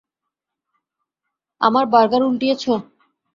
আমার বার্গার উল্টিয়েছ?